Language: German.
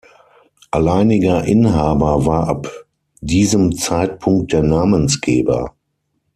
Alleiniger Inhaber war ab diesem Zeitpunkt der Namensgeber.